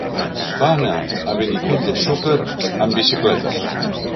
Va anar a Benicull de Xúquer amb bicicleta.